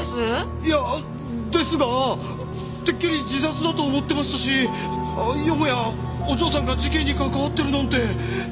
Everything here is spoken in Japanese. いやですがてっきり自殺だと思ってましたしよもやお嬢さんが事件に関わってるなんて。